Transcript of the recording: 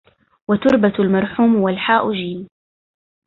وتربة المرحوم والحاء جيم